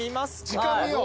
時間見よう。